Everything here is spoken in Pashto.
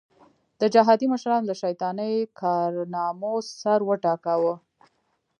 د جهادي مشرانو له شیطاني کارنامو سر وټکاوه.